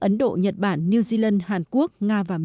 ấn độ nhật bản new zealand hàn quốc nga và mỹ